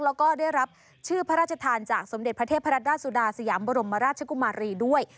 แล้วก็ได้รับชื่อพระราชทานจากสมเด็จพระเทพรัตราชสุดาสยามบรมราชกุมารีด้วย